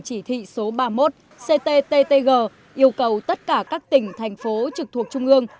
chỉ thị số ba mươi một cttg yêu cầu tất cả các tỉnh thành phố trực thuộc trung ương